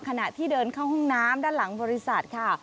ขณะที่เดินเข้าห้องน้ำด้านหลังบริษัทค่ะ